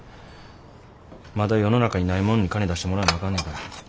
まだ世の中にないもんに金出してもらわなあかんねんから。